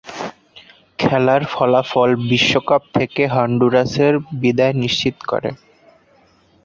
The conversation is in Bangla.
খেলার ফলাফল বিশ্বকাপ থেকে হন্ডুরাসের বিদায় নিশ্চিত করে।